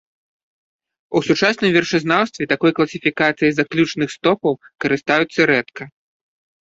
У сучасным вершазнаўстве такой класіфікацыяй заключных стопаў карыстаюцца рэдка.